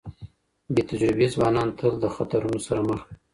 بې تجربې ځوانان تل له خطرونو سره مخ وي.